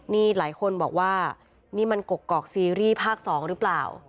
นี่หลายคนบอกว่านี่มันกกอกซีรีส์ภาค๒หรือเปล่า